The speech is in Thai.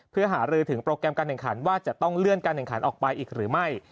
เพื่อหารือถึงโปรแกรมการแข่งขันว่าจะต้องเลื่อนการแข่งขันออกไปอีกหรือไม่